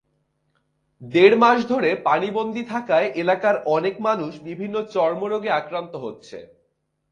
দেড় মাস ধরে পানিবন্দী থাকায় এলাকার অনেক মানুষ বিভিন্ন চর্মরোগে আক্রান্ত হচ্ছে।